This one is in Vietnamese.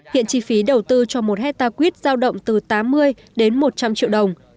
hiện chi phí đầu tư cho một hectare quýt giao động từ tám mươi đến một trăm linh triệu đồng